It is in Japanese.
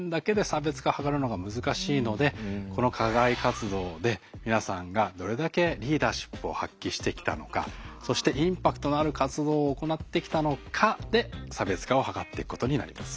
のでこの課外活動で皆さんがどれだけリーダーシップを発揮してきたのかそしてインパクトのある活動を行ってきたのかで差別化を図っていくことになります。